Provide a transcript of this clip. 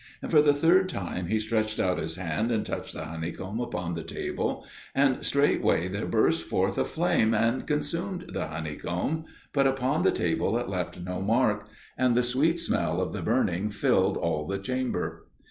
And for the third time he stretched out his hand and touched the honeycomb upon the table, and straightway there burst forth a flame, and consumed the honeycomb but upon the table it left no mark and the sweet smell of the burning filled all the chamber.